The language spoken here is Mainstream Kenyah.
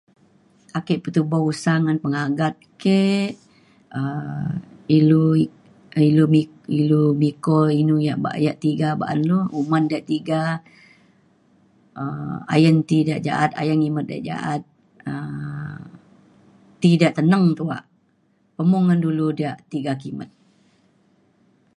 ake petubo usa ngan pengagat ke um ilu ilu bi- ilu biko inu ia' bayak ia' tiga bak ban nu uman diak tiga um ayen ti ja ja'at ayen ngimet ia' ja'at um ti ja teneng tuak pemung ngan dulu diak tiga kimet